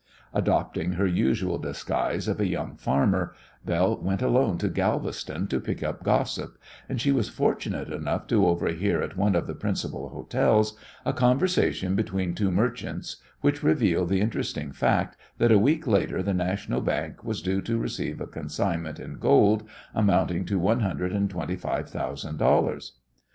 Adopting her usual disguise of a young farmer, Belle went alone to Galveston to pick up gossip, and she was fortunate enough to overhear at one of the principal hotels a conversation between two merchants which revealed the interesting fact that a week later the National Bank was due to receive a consignment in gold amounting to one hundred and twenty five thousand dollars.